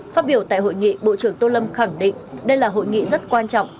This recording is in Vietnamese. phát biểu tại hội nghị bộ trưởng tô lâm khẳng định đây là hội nghị rất quan trọng